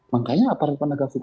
makanya aparat penegak fokus itu